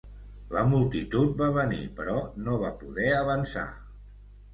La multitud va venir, però no va poder avançar.